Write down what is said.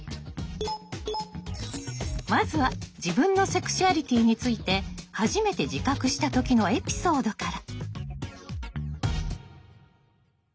まずは自分のセクシュアリティーについて初めて自覚したときのエピソードから。